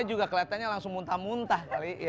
juga kelihatannya langsung muntah muntah